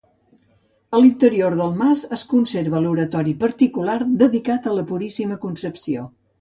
A l'interior del mas, es conserva l'oratori particular dedicat a la Puríssima Concepció.